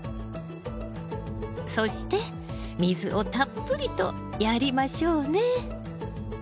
そして水をたっぷりとやりましょうね！